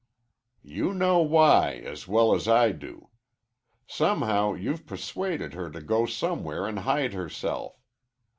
"You know why as well as I do. Somehow you've persuaded her to go somewhere and hide herself.